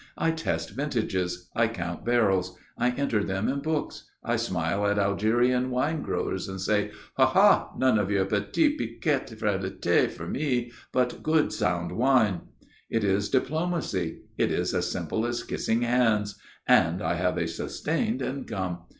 I test vintages. I count barrels. I enter them in books. I smile at Algerian wine growers and say, 'Ha! ha! none of your petite piquette frélateé for me but good sound wine.' It is diplomacy. It is as simple as kissing hands. And I have a sustained income.